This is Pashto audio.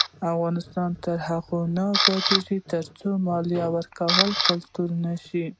افغانستان تر هغو نه ابادیږي، ترڅو مالیه ورکول کلتور نشي.